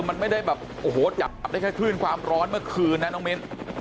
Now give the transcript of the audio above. มันไม่ได้แบบโอ้โหจับอับได้แค่คลื่นความร้อนเมื่อคืนนะน้องมิ้น